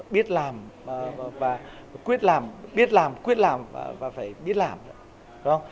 biết làm và quyết làm biết làm quyết làm và phải biết làm đúng không